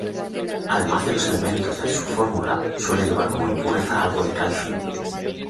Además de los elementos de su fórmula, suele llevar como impureza algo de calcio.